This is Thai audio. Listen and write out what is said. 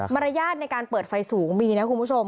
รยาทในการเปิดไฟสูงมีนะคุณผู้ชม